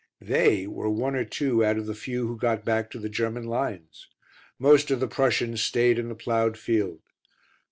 "They" were one or two out of the few who got back to the German lines. Most of the Prussians stayed in the ploughed field.